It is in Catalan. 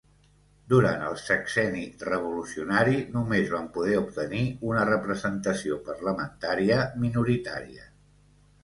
Durant el sexenni revolucionari només van poder obtenir una representació parlamentària minoritària.